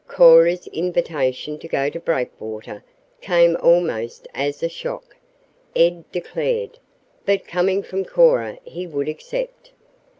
Cora's invitation to go to Breakwater came almost as a shock, Ed declared, but coming from Cora he would accept.